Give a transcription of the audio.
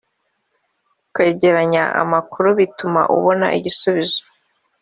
kwegeranya amakuru bituma ubona igisubizo.